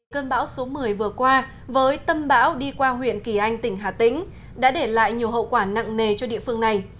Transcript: cơn bão số một mươi vừa qua với tâm bão đi qua huyện kỳ anh tỉnh hà tĩnh đã để lại nhiều hậu quả nặng nề cho địa phương này